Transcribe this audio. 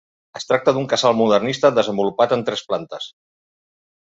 Es tracta d'un casal modernista desenvolupat en tres plantes.